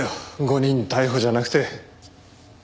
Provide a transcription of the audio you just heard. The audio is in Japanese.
誤認逮捕じゃなくて。